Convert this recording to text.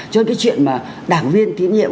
trên cái chuyện mà đảng viên tiến nhiệm